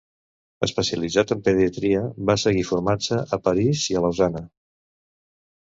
Especialitzat en pediatria, va seguir formant-se a París i Lausana.